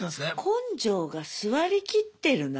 根性が据わりきってるな。